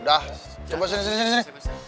udah coba sini di sini